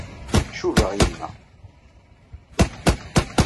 Cubaɣ yemma.